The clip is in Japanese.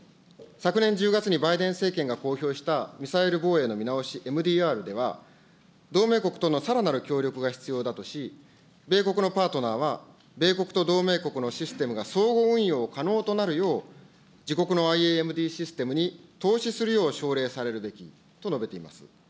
昨年１０月にバイデン政権が公表した、ミサイル防衛の見直し、ＭＤＲでは、同盟国とのさらなる協力が必要だとし、米国のパートナーは、米国と同盟国のシステムが相互運用可能となるよう、自国のＩＡＭＤシステムに投資するよう奨励されるべきと述べています。